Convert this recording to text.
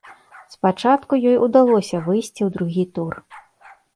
Спачатку ёй удалося выйсці ў другі тур.